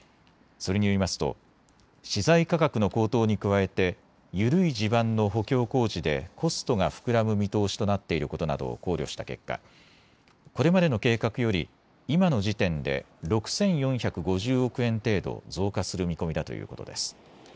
それによりますと資材価格の高騰に加えて緩い地盤の補強工事でコストが膨らむ見通しとなっていることなどを考慮した結果、これまでの計画より今の時点で６４５０億円程度増加する見込みだということです。